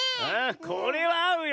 これはあうよ